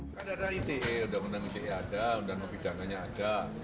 ada ite undang undang ite ada undang undang hukum dananya ada